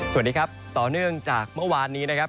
สวัสดีครับต่อเนื่องจากเมื่อวานนี้นะครับ